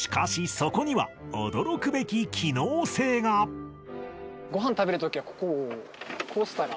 そこには驚くべき機能性がご飯食べる時はここをこうしたら。